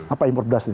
apa impor beras ini